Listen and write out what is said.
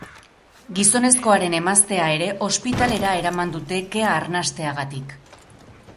Gizonezkoaren emaztea ere ospitalera eraman dute kea arnasteagatik.